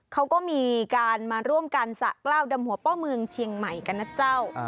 เขาก็มีการมาร่วมกันสะกล้าวดำหัวป้อเมืองเชียงใหม่กันนะเจ้า